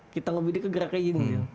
kita nge bidik geraknya gini